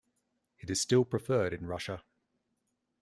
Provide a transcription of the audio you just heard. It is still preferred in Russia.